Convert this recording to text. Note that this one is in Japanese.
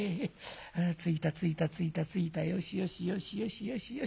あついたついたついたついたよしよしよしよしよしよし。